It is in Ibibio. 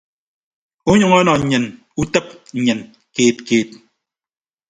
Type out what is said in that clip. Onyʌñ ọnọ nnyịn utịp nnyịn keed keed.